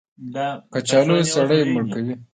کچالو سړی مړ کوي